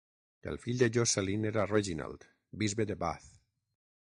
El fill de Josceline era Reginald, bisbe de Bath.